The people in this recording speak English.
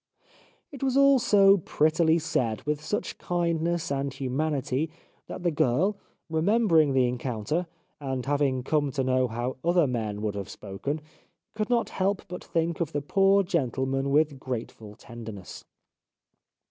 It was all so prettily said, with such kindness 296 The Life of Oscar Wilde and humanity that that girl, remembering the encounter, and having come to know how other men would have spoken, could not help but think of the poor gentleman with grateful tenderness.